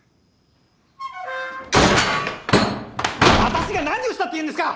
私が何をしたっていうんですか？